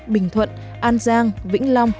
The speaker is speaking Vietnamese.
bình thuận an giang vĩnh long